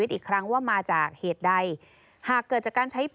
ส่วนรถที่นายสอนชัยขับอยู่ระหว่างการรอให้ตำรวจสอบ